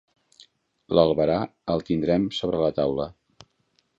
L'albarà el tindrem sobre la taula.